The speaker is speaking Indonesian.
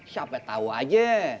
siapa tau aja